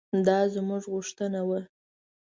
دا زموږ غوښتنه وه.